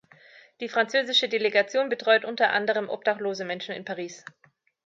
Die französische Delegation betreut unter anderem obdachlose Menschen in Paris.